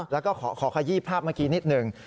แล้วก็ขอขยี้ภาพเมื่อกี้นิดหนึ่ง